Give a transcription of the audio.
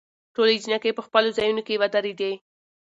ټولې جینکې په خپلو ځايونوکې ودرېدي.